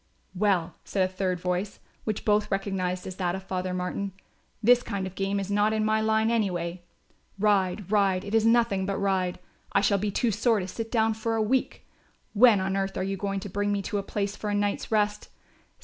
"Well," said a third voice, which both recognised as that of Father Martin, "This kind of game is not in my line anyway. Ride, ride, it is nothing but ride. I shall be too sore to sit down for a week; when on earth are you going to bring me to a place for a night's rest?